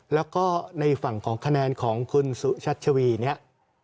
แล้วก็ในฝั่งของคะแนนของคุณสุชัชวีเนี่ย